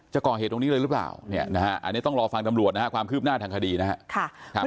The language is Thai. จะกรเหตุตรงนี้เลยหรือเปล่าอันนี้ต้องรอฟังตำรวจนะฮะความคืบหน้าทางคดีนะฮะ